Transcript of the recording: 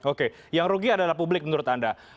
oke yang rugi adalah publik menurut anda